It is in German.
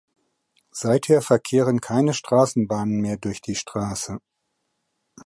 Seither verkehren keine Straßenbahnen mehr durch die Straße.